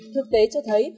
thực tế cho thấy